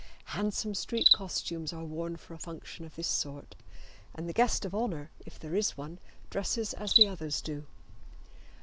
Handsome street costumes are worn for a function of this sort, and the guest of honor, if there is one, dresses as the others do.